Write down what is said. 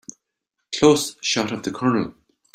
Close shot of the COLONEL.